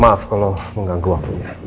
maaf kalau mengganggu waktunya